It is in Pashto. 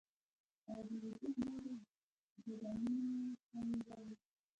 او د وجود نورو ګودامونو ته ئې ولي